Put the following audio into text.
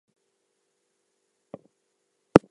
He then served as private secretary to governor Edward Youde.